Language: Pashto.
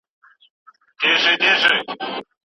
قدم وهلو ته تللی وم.